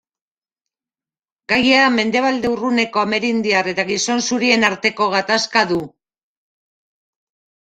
Gaia Mendebalde Urruneko Amerindiar eta gizon zurien arteko gatazka du.